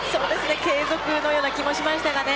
継続のような気もしましたがね。